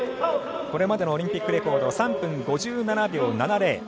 これまでのオリンピックレコード３分５７秒７０。